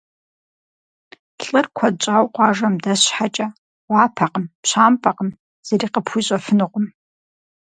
ЛӀыр куэд щӀауэ къуажэм дэс щхьэкӀэ, гъуапэкъым, пщампӀэкъым, зыри къыпхуищӀэфынукъым.